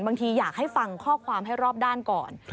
อยากให้ฟังข้อความให้รอบด้านก่อน